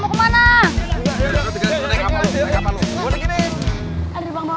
mana mau kemana